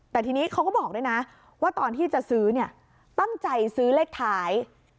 แต่ทีนี้เขาก็บอกด้วยนะว่าตอนที่จะซื้อเนี่ยตั้งใจซื้อเลขท้าย